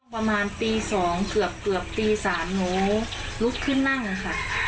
ประมาณตี๒เกือบตี๓หนูลุกขึ้นนั่งค่ะ